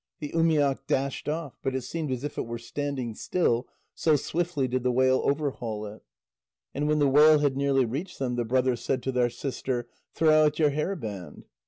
The umiak dashed off, but it seemed as if it were standing still, so swiftly did the whale overhaul it. And when the whale had nearly reached them, the brothers said to their sister: "Throw out your hairband."